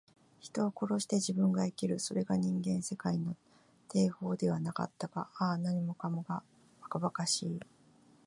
人を殺して自分が生きる。それが人間世界の定法ではなかったか。ああ、何もかも、ばかばかしい。